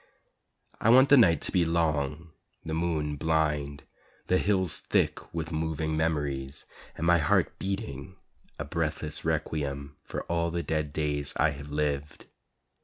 I want the night to be long, the moon blind, The hills thick with moving memories, And my heart beating a breathless requiem For all the dead days I have lived.